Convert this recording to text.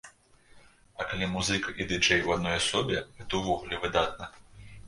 А калі музыка і ды-джэй ў адной асобе, гэта ўвогуле выдатна.